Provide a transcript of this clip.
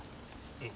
うん。